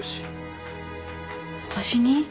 私に？